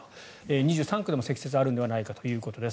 ２３区でも積雪があるのではないかということです。